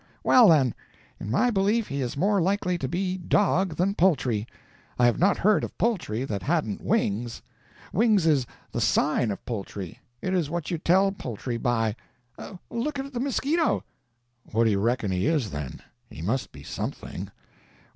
"Well, then, in my belief he is more likely to be dog than poultry. I have not heard of poultry that hadn't wings. Wings is the sign of poultry; it is what you tell poultry by. Look at the mosquito." "What do you reckon he is, then? He must be something."